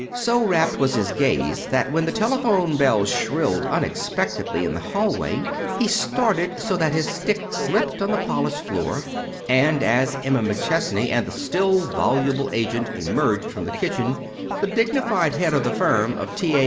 So rapt was his gaze that when the telephone bell shrilled unexpectedly in the hallway he started so that his stick slipped on the polished floor, and as Emma McChesney and the still voluble agent emerged from the kitchen the dignified head of the firm of T. A.